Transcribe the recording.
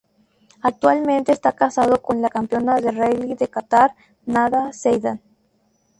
Actualmente está casado con la campeona de rally de Qatar, Nada Zeidan.